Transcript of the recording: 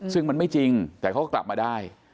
ซึ่งมันไม่จริงแต่เขาก็กลับมาได้